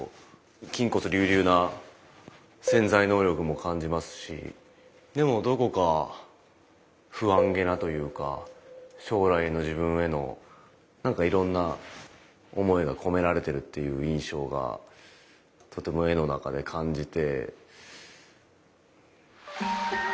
筋骨隆々な潜在能力も感じますしでもどこか不安げなというか将来の自分への何かいろんな思いが込められてるっていう印象がとても絵の中で感じて。